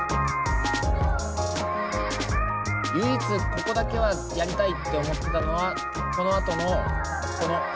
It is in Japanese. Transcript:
唯一ここだけはやりたいって思ってたのはこのあとのこの。